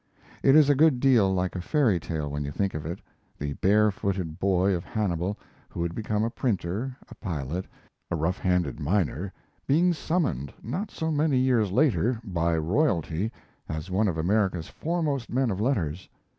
It is a good deal like a fairy tale when you think of it; the barefooted boy of Hannibal, who had become a printer, a pilot, a rough handed miner, being summoned, not so many years later, by royalty as one of America's foremost men of letters.